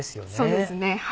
そうですね